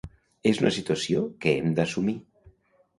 És un situació que hem d'assumir.